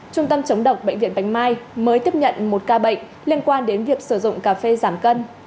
trung tâm chống độc bệnh viện bạch mai mới tiếp nhận một ca bệnh liên quan đến việc sử dụng cà phê giảm cân